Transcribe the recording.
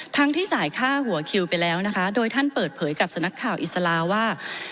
ที่จ่ายค่าหัวคิวไปแล้วนะคะโดยท่านเปิดเผยกับสำนักข่าวอิสลาว่า